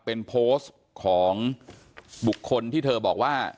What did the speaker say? เป็นโพสต์ของบุคคลที่เธอบอกว่า